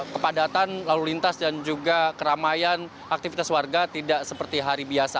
kepadatan lalu lintas dan juga keramaian aktivitas warga tidak seperti hari biasa